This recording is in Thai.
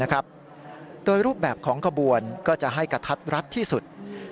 โดยรูปแบบของขบวนก็จะให้กระทัดรัดที่สุด